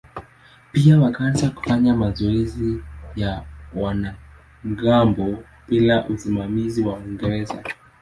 Pia wakaanza kufanya mazoezi ya wanamgambo bila usimamizi wa Waingereza.